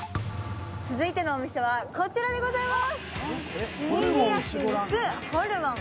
続いてのお店は、こちらでございます。